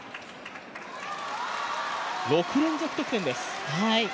６連続得点です。